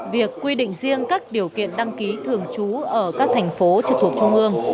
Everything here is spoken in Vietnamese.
việc quy định riêng các điều kiện đăng ký thường trú ở các thành phố trực thuộc trung ương